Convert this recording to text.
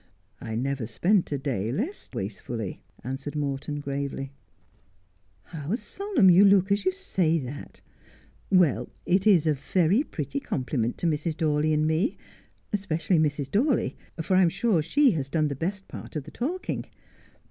' I never spent a day less wastef ully,' answered Morton gravely. ' How solemn you look as you say that ! Well, it is a very pretty compliment to Mrs. Dawley and me, especially Mrs. Dawley, for I'm sure she has done the best part of the talking.